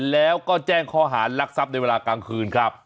แล้วก็แจ้งข้อหารลักทรัพย์ในเวลากลางคืนครับ